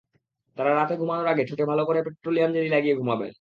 তাঁরা রাতে ঘুমানোর আগে ঠোঁটে ভালো করে পেট্রোলিয়াম জেলি লাগিয়ে ঘুমাবেন।